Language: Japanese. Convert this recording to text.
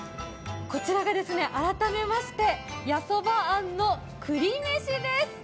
こちらが改めまして八十八庵のくりめしです。